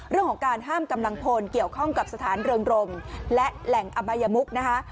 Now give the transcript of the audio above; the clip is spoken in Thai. เรื่องของการห้ามกำลังพลเกี่ยวข้องกับสถานเรืองรมและแหล่งอบายมุกนะคะ